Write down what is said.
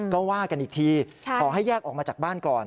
ก็ว่ากันอีกทีขอให้แยกออกมาจากบ้านก่อน